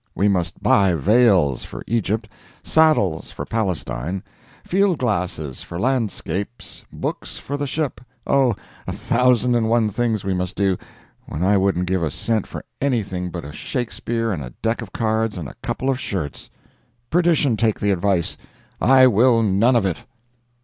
We must buy veils for Egypt, saddles for Palestine, field glasses for landscapes, books for the ship—Oh, a thousand and one things we must do, when I wouldn't give a cent for anything but a Shakespeare, and a deck of cards, and a couple of shirts. Perdition take the advice—I will none of it.